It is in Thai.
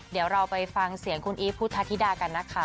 เดี๋ยวเราไปฟังเสียงคุณอีฟพุทธธิดากันนะคะ